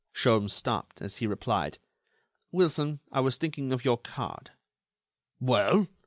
Sholmes stopped, as he replied: "Wilson, I was thinking of your card." "Well?"